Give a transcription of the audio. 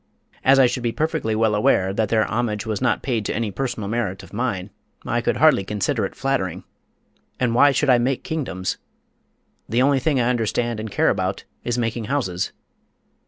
As I should be perfectly well aware that their homage was not paid to any personal merit of mine, I could hardly consider it flattering. And why should I make kingdoms? The only thing I understand and care about is making houses.